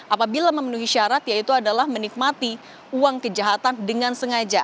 apabila memenuhi syarat yaitu adalah menikmati uang kejahatan dengan sengaja